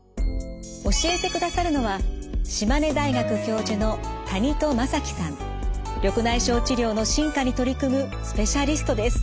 教えてくださるのは緑内障治療の進化に取り組むスペシャリストです。